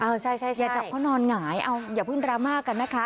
อ่าวใช่ใช่ใช่อย่าจับเขานอนหงายเอาอย่าเพิ่งดราม่ากันนะคะ